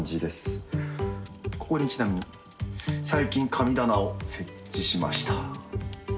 ここに、ちなみに最近、神棚を設置しました。